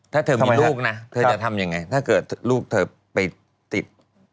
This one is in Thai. ถ้าเธอมีลูกนะเธอจะทำยังไงถ้าเกิดลูกเธอไปติด